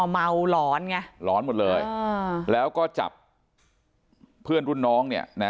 เมาหลอนไงหลอนหมดเลยแล้วก็จับเพื่อนรุ่นน้องเนี่ยนะ